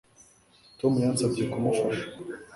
Tom yansabye kumufasha